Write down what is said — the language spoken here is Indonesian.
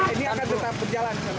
ini akan tetap berjalan